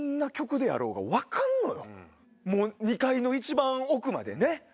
２階の一番奥までね。